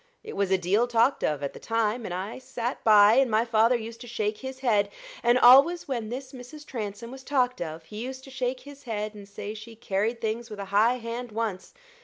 It was a deal talked of at the time and I've sat by; and my father used to shake his head; and always when this Mrs. Transome was talked of, he used to shake his head, and say she carried things with a high hand once.